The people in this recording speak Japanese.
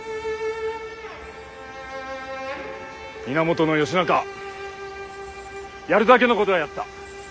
源義仲やるだけのことはやった。